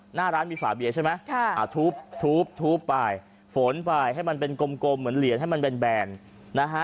หน้าร้านมีฝาเบียร์ใช่ไหมทุบไปฝนไปให้มันเป็นกลมเหมือนเหรียญให้มันแบนนะฮะ